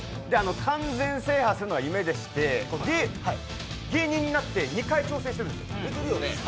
完全制覇するのが夢でして芸人になって２回挑戦してるんです。